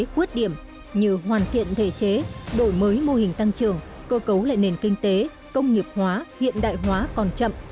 khuyết điểm như hoàn thiện thể chế đổi mới mô hình tăng trưởng cơ cấu lại nền kinh tế công nghiệp hóa hiện đại hóa còn chậm